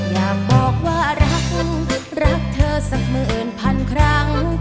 อยากบอกว่ารักรักเธอสักหมื่นพันครั้ง